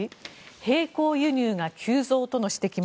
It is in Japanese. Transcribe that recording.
並行輸入が急増との指摘も。